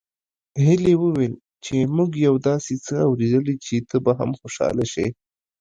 هيلې وويل چې موږ يو داسې څه اورېدلي چې ته به هم خوشحاله شې